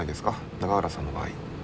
永浦さんの場合。